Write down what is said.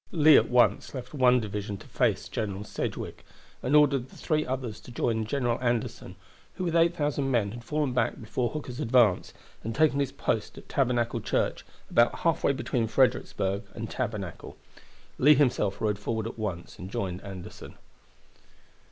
Lee at once left one division to face General Sedgwick, and ordered the three others to join General Anderson, who with 8,000 men had fallen back before Hooker's advance, and taken his post at Tabernacle Church, about halfway between Fredericksburg and Tabernacle. Lee himself rode forward at once and joined Anderson.